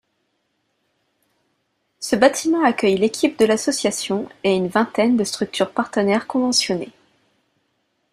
Ce bâtiment accueille l'équipe de l'association et une vingtaine de structures partenaires conventionnées.